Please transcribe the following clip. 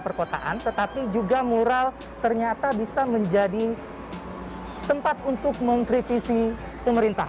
perkotaan tetapi juga mural ternyata bisa menjadi tempat untuk mengkritisi pemerintah